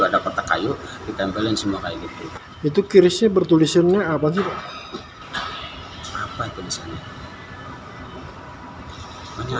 ada kota kayu ditempelin semua kayak gitu itu kirisnya bertulisannya apa juga